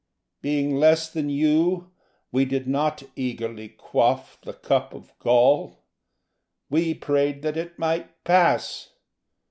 Being less than you, we did not eagerly quaff The cup of gall: we prayed that it might pass.